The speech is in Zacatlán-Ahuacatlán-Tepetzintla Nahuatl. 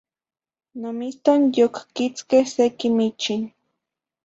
Nomiston yocquitzqueh se quimichin